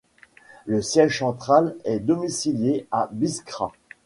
Le siège central est domicilié à Biskra.